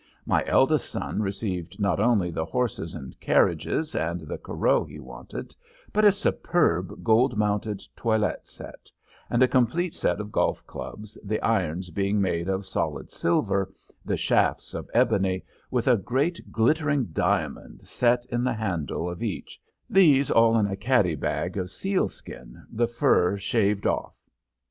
My eldest son received not only the horses and carriages and the Corot he wanted, but a superb gold mounted toilet set, and a complete set of golf clubs, the irons being made of solid silver, the shafts of ebony, with a great glittering diamond set in the handle of each, these all in a caddy bag of seal skin, the fur shaved off.